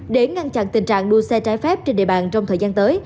để ngăn chặn tình trạng đua xe trái phép trên địa bàn trong thời gian tới